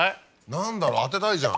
何だろう当てたいじゃん。